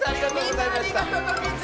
みんなありがとうのミズ！